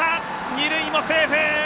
二塁もセーフ！